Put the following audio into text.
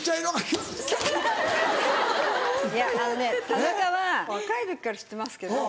田中は若い時から知ってますけど。